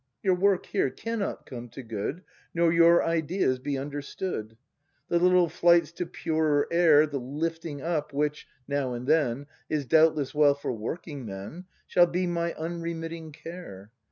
Your work here cannot come to good. Nor your ideas be understood. The little flights to purer air, The lifting up which, now and then. Is doubtless well for working men. Shall be my unremitting care.